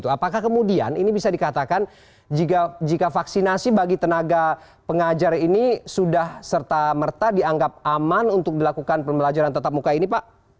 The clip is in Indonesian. apakah kemudian ini bisa dikatakan jika vaksinasi bagi tenaga pengajar ini sudah serta merta dianggap aman untuk dilakukan pembelajaran tetap muka ini pak